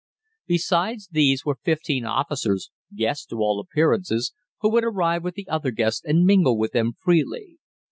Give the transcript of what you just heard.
Besides these were fifteen officers, guests to all appearance, who would arrive with the other guests and mingle with them freely.